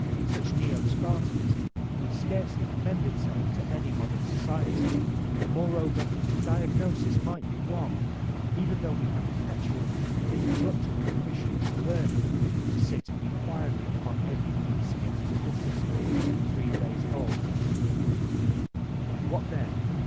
Such neo Spartanism would scarcely commend itself to any modem society Moreover the diagnosis might be wrong, even though we had a perpetual and incorruptible commission of the learned to sit in inquiry upon every pink skinned little suspect three days old I What then